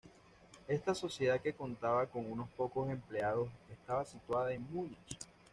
Esta sociedad que contaba con unos pocos empleados estaba situada en Múnich.